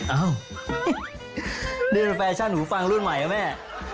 อ้าวดื่มแฟชั่นหูฟังรุ่นใหม่นะแม่